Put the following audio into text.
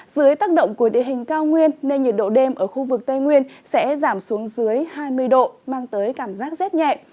dưới tác động của địa hình cao nguyên nên nhiệt độ đêm ở khu vực tây nguyên sẽ giảm xuống dưới hai mươi độ mang tới cảm giác rét nhẹ